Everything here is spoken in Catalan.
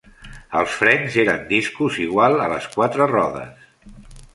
Els frens eren discos igual a les quatre rodes.